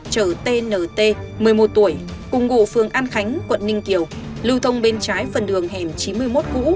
chở tnt một mươi một tuổi cùng ngụ phường an khánh quận ninh kiều lưu thông bên trái phần đường hẻm chín mươi một cũ